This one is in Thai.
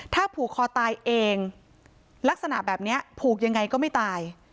ถ้าผูกคอตายเองลักษณะแบบนี้ผูกยังไงก็ไม่ตาย